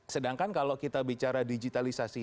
sedangkan kalau kita bicara digitalisasi